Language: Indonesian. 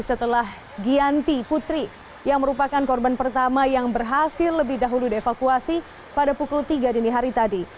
setelah giyanti putri yang merupakan korban pertama yang berhasil lebih dahulu dievakuasi pada pukul tiga dini hari tadi